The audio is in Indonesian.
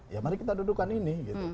ya mari kita dudukan ini gitu